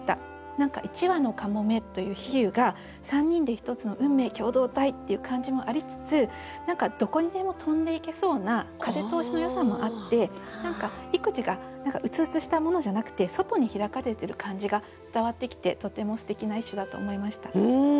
何か「一羽のかもめ」という比喩が３人で１つの運命共同体っていう感じもありつつどこにでも飛んでいけそうな風通しのよさもあって育児が鬱々したものじゃなくて外に開かれてる感じが伝わってきてとてもすてきな一首だと思いました。